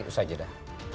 itu saja dah